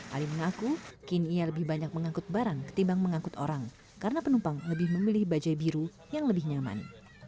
ali mengaku kini ia lebih banyak mengangkut barang ketimbang mengangkut orang karena penumpang lebih memilih bajai biru yang lebih nyaman